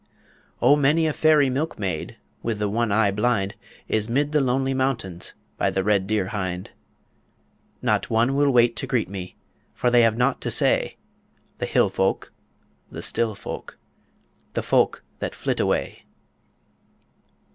O many a fairy milkmaid With the one eye blind, Is 'mid the lonely mountains By the red deer hind; Not one will wait to greet me, For they have naught to say The hill folk, the still folk, the folk that flit away.